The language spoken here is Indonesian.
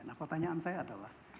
nah pertanyaan saya adalah